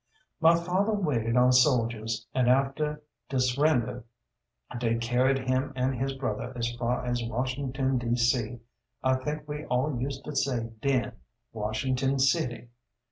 My father waited on soldiers and after de s'render dey carried him an' his brother as fer as Washington D.C. I think we all use to say den, "Washington City."